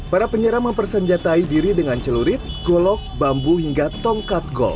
para penyeram mempersenjatai diri dengan celurit golok bambu hingga tongkat gol